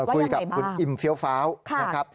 คุยกับคุณอิมเฟี้ยวฟ้าวนะครับ